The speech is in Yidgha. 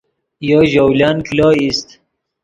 یو ژولن کلو ایست